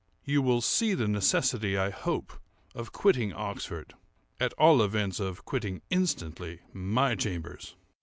You will see the necessity, I hope, of quitting Oxford—at all events, of quitting instantly my chambers."